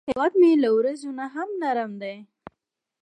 هیواد مې له وریځو نه هم نرم دی